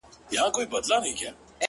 • خالقه سترګي د رقیب مي سپېلني کې ورته,